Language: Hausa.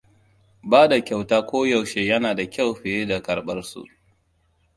Ba da kyauta koyaushe yana da kyau fiye da karɓar su.